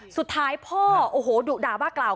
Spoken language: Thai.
สุดท้ายพ่อโอ้โหดุด่าว่ากล่าว